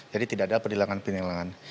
jadi tidak ada penilangan penilangan